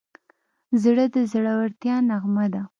زړه د زړورتیا نغمه ده.